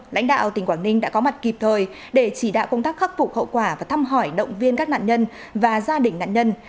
lãnh đạo tỉnh quảng ninh đã có mặt kịp thời để chỉ đạo công tác khắc phục hậu quả và thăm hỏi động viên các nạn nhân và gia đình nạn nhân